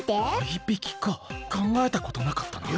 合いびきかかんがえたことなかったな。